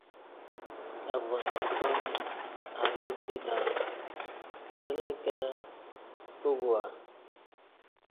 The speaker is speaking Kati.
افغانستان آزاد بیتں پلہ کہ پوگوا